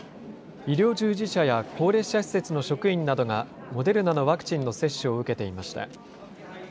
医療従事者や高齢者施設の職員などが、モデルナのワクチンの接種を受けていました。